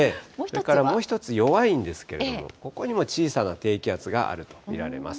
それからもう１つ、弱いんですけれども、ここにも小さな低気圧があると見られます。